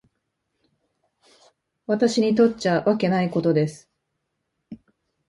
私にとっちゃわけないことです。